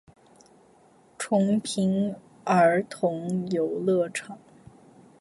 重平儿童游戏场